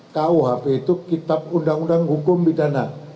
kuhp itu kitab undang undang hukum pidana